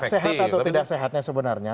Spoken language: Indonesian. sehat atau tidak sehatnya sebenarnya